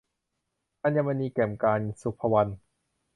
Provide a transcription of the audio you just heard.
อัญมณี - แกมกาญจน์ ศุภวรรณ